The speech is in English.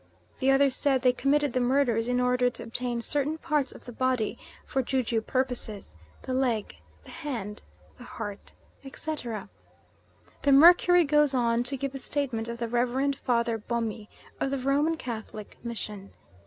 The others said they committed the murders in order to obtain certain parts of the body for ju ju purposes, the leg, the hand, the heart, etc. The Mercury goes on to give the statement of the Reverend Father Bomy of the Roman Catholic Mission.